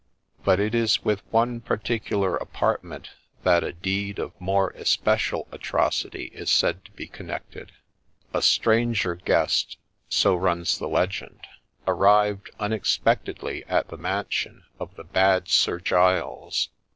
But it is with one particular apartment that a deed of more especial atrocity is said to be connected. A stranger guest — so runs the legend — arrived unexpectedly at the mansion of the ' Bad Sir Giles.'